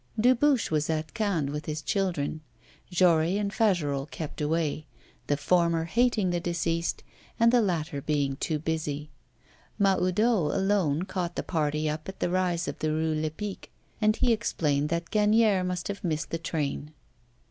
Dubuche was at Cannes with his children. Jory and Fagerolles kept away, the former hating the deceased and the latter being too busy. Mahoudeau alone caught the party up at the rise of the Rue Lepic, and he explained that Gagnière must have missed the train.